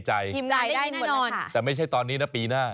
จ่ายได้แน่นอนแต่ไม่ใช่ตอนนี้นะปีหน้า